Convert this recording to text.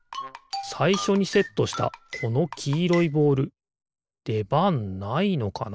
さいしょにセットしたこのきいろいボールでばんないのかな？